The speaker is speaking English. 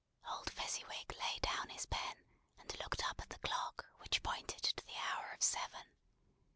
Old Fezziwig laid down his pen, and looked up at the clock, which pointed to the hour of seven.